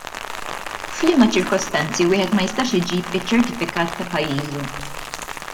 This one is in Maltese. F'liema ċirkostanzi wieħed ma jistax iġib iċ-ċertifikat ta' pajjiżu?